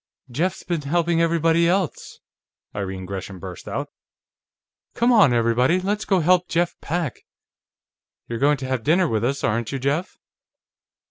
"Jeff's been helping everybody else," Irene Gresham burst out. "Come on, everybody; let's go help Jeff pack! You're going to have dinner with us, aren't you, Jeff?"